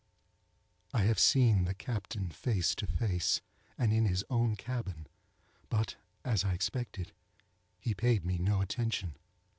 I have seen the captain face to face, and in his own cabin—but, as I expected, he paid me no attention.